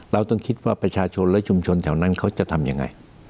เราต้องคิดว่าประชาชนและชุมชนแถวนั้นเขาจะทำยังไง